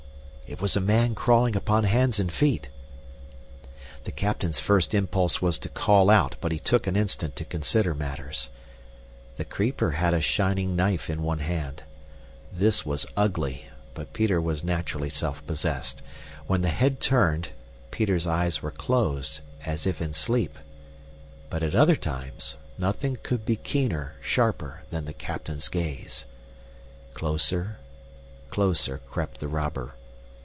It was a man crawling upon hands and feet! The captain's first impulse was to call out, but he took an instant to consider matters. The creeper had a shining knife in one hand. This was ugly, but Peter was naturally self possessed. When the head turned, Peter's eyes were closed as if in sleep, but at other times, nothing could be keener, sharper than the captain's gaze. Closer, closer crept the robber.